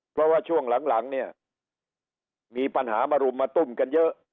เพราะว่าช่วงหลังเนี่ยมีปัญหามารุมมาตุ้มกันเยอะ